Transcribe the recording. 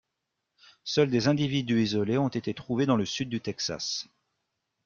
Seuls des individus isolés ont été trouvés dans le sud du Texas.